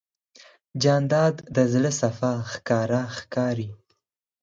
جانداد د زړه صفا ښکاره ښکاري.